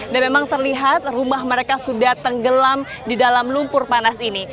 dan memang terlihat rumah mereka sudah tenggelam di dalam lumpur panas ini